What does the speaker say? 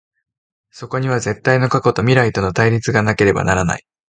そこには絶対の過去と未来との対立がなければならない。